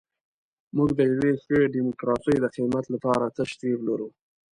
موږ د یوې ښې ډیموکراسۍ د قیمت لپاره تش جیب لرو.